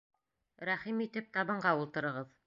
Рәхим итеп табынға ултырығыҙ.